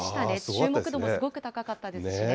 注目度もすごく高かったですしね。